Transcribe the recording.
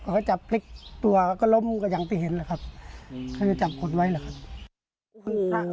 เขาจับพลิกตัวก็ล้มก็อย่างที่เห็นแหละครับเขาจะจับคนไว้เหรอครับ